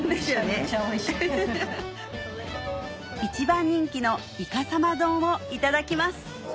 一番人気のいか様丼をいただきます